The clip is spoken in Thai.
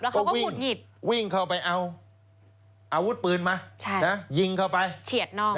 แล้วเขาก็หุดหยิตวิ่งเข้าไปเอาอาวุธปืนมาใช่น่ะยิงเข้าไปเฉียดน้อง